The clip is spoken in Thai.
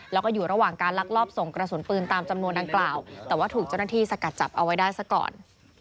แล้วก็อยู่ระหว่างการลักลอบส่งกระสุนปืนตามจำนวนดังกล่าวแต่ว่าถูกเจ้าหน้าที่สกัดจับเอาไว้ได้ซะก่อน